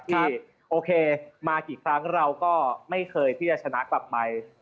ที่โอเคมากี่ครั้งเราก็ไม่เคยที่จะชนะกลับไป